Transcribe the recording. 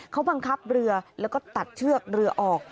เขาบังคับเรือแล้วก็ตัดเชือกเรือออก